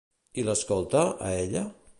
I l'escolta, a ella?